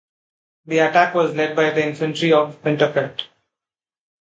The attack was led by the infantry of Winterfeldt.